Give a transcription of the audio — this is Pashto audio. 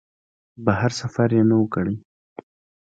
بهر سفر یې نه و کړی.